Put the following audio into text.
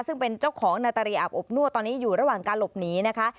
ซึ่งเป็นเจ้าของนาตรีอาบอบนวดตอนนี้อยู่ระหว่างการหลบหนีนะคะ